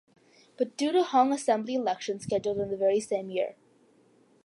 But due to hung assembly election scheduled in the very same year.